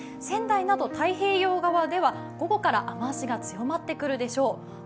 仙台など太平洋側では午後から雨足が強まってくるでしょう。